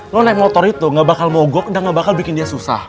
lo naik motor itu gak bakal mogok udah gak bakal bikin dia susah